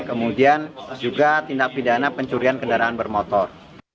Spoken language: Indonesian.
kemudian juga tindak pidana pencurian kendaraan bermotor